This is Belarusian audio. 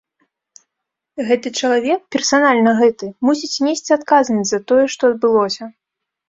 Гэты чалавек, персанальна гэты, мусіць несці адказнасць за тое, што адбылося.